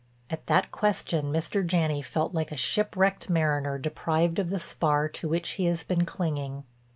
At that question Mr. Janney felt like a shipwrecked mariner deprived of the spar to which he has been clinging.